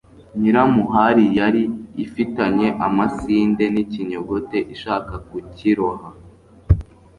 nyiramuhari yari ifitanye amasinde n'ikinyogote ishaka kukiroha